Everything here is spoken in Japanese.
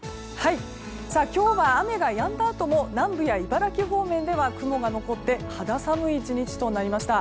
今日は雨がやんだあとも南部や茨城方面では雲が残って肌寒い１日となりました。